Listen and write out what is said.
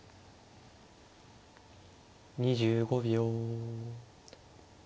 ２５秒。